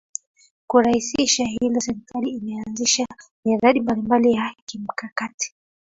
Kurahisisha hilo serikali imeanzisha miradi mbalimbali ya kimkakati